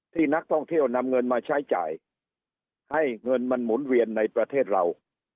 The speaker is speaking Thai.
ที่นักท่องเที่ยวนำเงินมาใช้จ่ายให้เงินมันหมุนเวียนในประเทศเรา